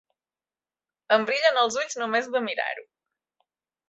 Em brillen els ulls només de mirar-ho.